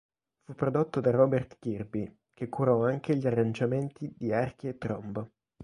Fu prodotto da Robert Kirby, che curò anche gli arrangiamenti di archi e tromba.